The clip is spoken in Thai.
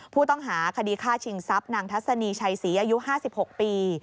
ผู้ต้องหาคดีฆ่าชิงทรัพย์นางทัศนีชัยศรีอายุ๕๖ปี